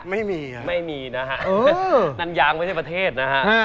ไม่มีครับไม่มีนะฮะนั่นยางไม่ใช่ประเทศนะฮะ